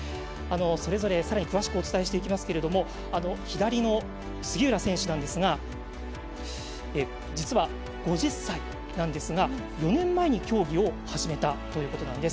それぞれ、さらに詳しくお伝えしていきますけど左の杉浦選手なんですが実は、５０歳なんですが４年前に競技を始めたということなんです。